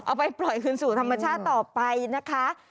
เอาไปปล่อยคืนสู่ธรรมชาติต่อไปนะคะ